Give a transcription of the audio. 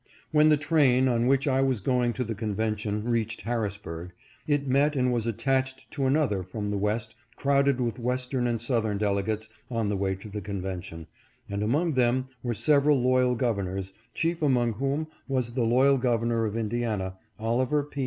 When the train on which I was going to the convention reached Harrisburg, it met and was attached to another from the West crowded with Western and Southern dele gates on the way to the convention, and among them were several loyal Governors, chief among whom was the loyal Governor of Indiana, Oliver P.